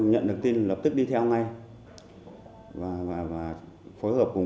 hai đối tượng đã phải cha tay vào cỏng